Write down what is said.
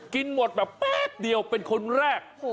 กินหมดแบบแป๊บเดียวเป็นคนแรก